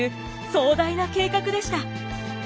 壮大な計画でした。